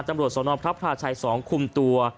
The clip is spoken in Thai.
ตำรวจสนพระพลาชัย๒คุมตัว